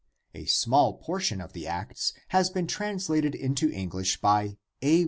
A small por tion of the Acts has been translated into English by A.